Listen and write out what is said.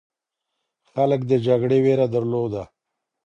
خلک د جګړې ویره درلوده.